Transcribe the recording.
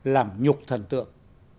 làm nhục thần tượng